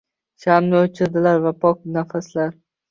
Shamni oʻchirdilar va pok nafaslar